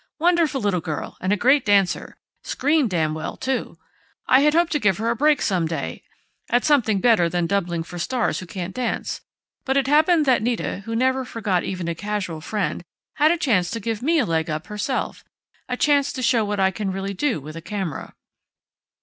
"Wonderful little girl, and a great dancer ... Screened damned well, too. I had hoped to give her a break some day, at something better than doubling for stars who can't dance. But it happened that Nita, who never forgot even a casual friend, had a chance to give me a leg up herself a chance to show what I can really do with a camera."